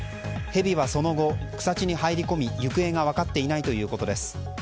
ヘビはその後、草地に入り込み行方が分かっていないということです。